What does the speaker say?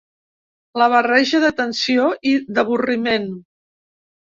La barreja de tensió i d'avorriment